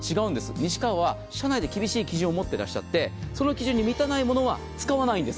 西川は社内で厳しい基準を持ってらっしゃって、その基準に満たないものは使わないんです。